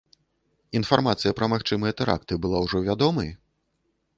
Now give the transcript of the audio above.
Інфармацыя пра магчымыя тэракты была ўжо вядомай?